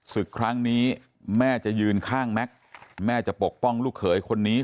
ศึกครั้งนี้แม่จะยืนข้างแม็กซ์แม่จะปกป้องลูกเขยคนนี้